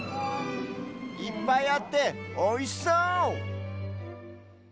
いっぱいあっておいしそう！